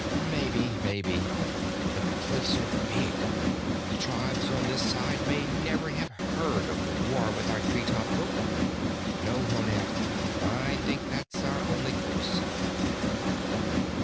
"Maybe, maybe. But the cliffs are big. The tribes on this side may never have heard of the war with our tree top folk. No, Honath, I think that's our only course."